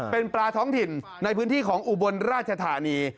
เป็นปลาท้องถิ่นในพื้นที่ของอุบลราชธานี